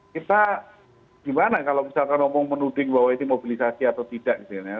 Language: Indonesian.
kita gimana kalau misalkan omong menuding bahwa ini mobilisasi atau tidak gitu ya